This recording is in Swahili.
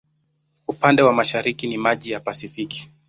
Upande wa mashariki ni maji ya Pasifiki.